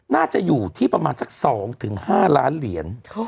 น่าจะอยู่ที่ประมาณสัก๒๕ล้านเหรียญ